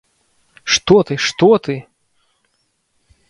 Што ты, што ты!